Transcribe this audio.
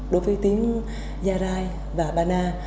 đối với tiếng gia rai và ba na